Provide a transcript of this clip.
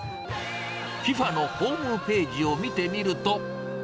ＦＩＦＡのホームページを見てみると。